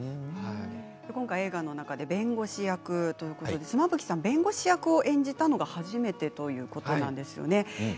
今回、弁護士役ということで妻夫木さんは弁護士役を演じたのが初めてということなんですよね。